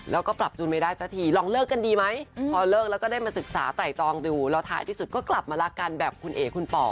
แล้วก็ปรับจูนไม่ได้สักทีลองเลิกกันดีไหมพอเลิกแล้วก็ได้มาศึกษาไต่ตองดูแล้วท้ายที่สุดก็กลับมารักกันแบบคุณเอ๋คุณป๋อ